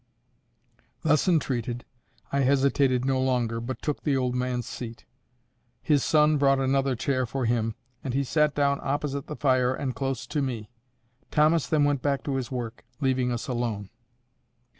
Thus entreated, I hesitated no longer, but took the old man's seat. His son brought another chair for him, and he sat down opposite the fire and close to me. Thomas then went back to his work, leaving us alone.